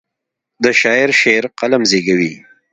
د شاعر شعر قلم زیږوي.